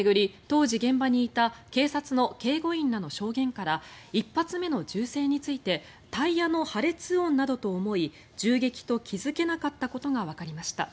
当時、現場にいた警察の警護員らの証言から１発目の銃声についてタイヤの破裂音などと思い銃撃と気付けなかったことがわかりました。